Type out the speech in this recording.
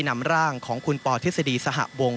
นำร่างของคุณปทฤษฎีสหวง